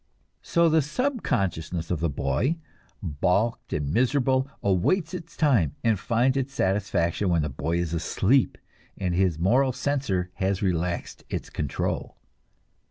So the subconsciousness of the boy, balked and miserable, awaits its time, and finds its satisfaction when the boy is asleep and his moral censor has relaxed its control.